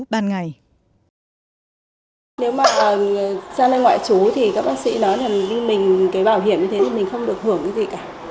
nếu mà sang đây ngoại trú thì các bác sĩ nói là vì mình cái bảo hiểm như thế thì mình không được hưởng cái gì cả